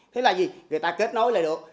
thế là gì người ta kết nối lại được